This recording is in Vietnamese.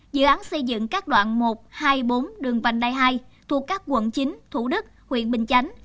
dự án xây dựng các đoạn một hai bốn đường vành đai hai thuộc các quận chín thủ đức huyện bình chánh